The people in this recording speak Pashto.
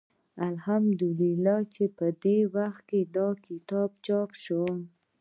الحمد لله چې په دې وخت کې دا کتاب چاپ شو.